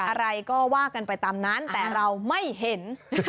อะไรก็ว่ากันไปตามนั้นแต่เราไม่เห็น